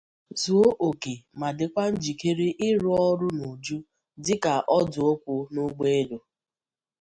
zuo òkè ma dịkwa njikere ịrụ ọrụ n'uju dịka ọdụ okwu na ụgbọelu.